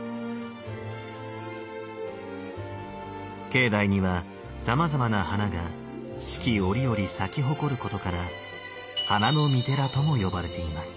境内にはさまざまな花が四季折々咲き誇ることから「花の御寺」とも呼ばれています。